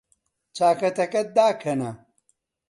چاکەتەکەت داکەنە.